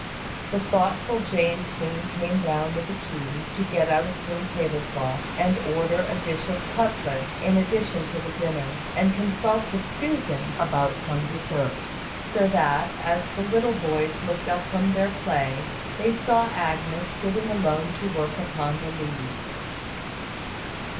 The thoughtful Jane soon came down with the keys to get out a clean tablecloth, and order a dish of cutlets, in addition to the dinner, and consult with Susan about some dessert; so that, as the little boys looked up from their play, they saw Agnes sitting alone at work upon the leads.